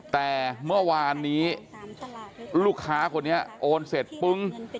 แต่เมื่อวานนี้ลูกค้าคนนี้โอนเสร็จปึ้ง